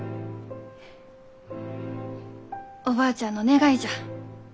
おばあちゃんの願いじゃ。